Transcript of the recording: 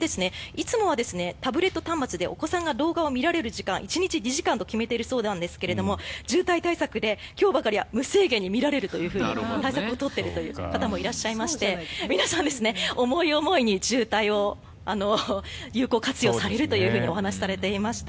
いつもはタブレット端末でお子さんが動画を見られる時間は１日２時間と決めているそうですが渋滞対策で今日ばかりは無制限に見られるというふうに対策を取っているという方もいらっしゃいまして皆さん、思い思いに渋滞を有効活用されるとお話しされていました。